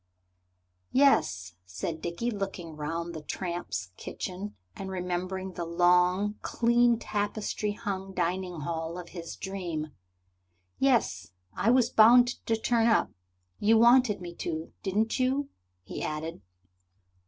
"Yes," said Dickie, looking round the tramps' kitchen, and remembering the long, clean tapestry hung dining hall of his dream. "Yes, I was bound to turn up. You wanted me to, didn't you?" he added.